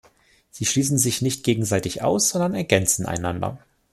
Sie schließen sich nicht gegenseitig aus, sondern ergänzen einander.